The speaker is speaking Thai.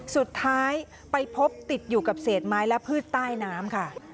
สุดท้ายไปพบติดอยู่กับเศษไม้และพืชใต้น้ำค่ะ